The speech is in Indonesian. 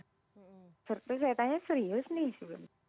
terus saya tanya serius nih sebelumnya